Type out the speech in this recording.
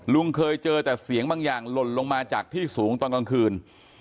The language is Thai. ลุงเคยเจอแต่เสียงบางอย่างหล่นลงมาจากที่สูงตอนกลางคืน